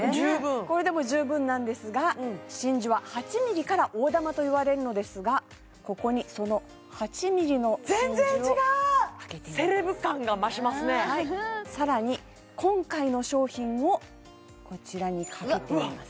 これでも十分なんですが真珠は８ｍｍから大珠といわれるのですがここにその８ｍｍの真珠を全然違うセレブ感が増しますねさらに今回の商品をこちらに掛けてみます